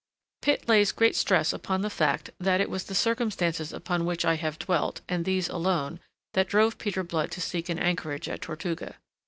Pitt lays great stress upon the fact that it was the circumstances upon which I have dwelt, and these alone, that drove Peter Blood to seek an anchorage at Tortuga.